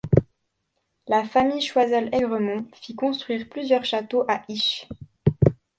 La famille Choiseul-Aigremont fit construire plusieurs châteaux à Isches.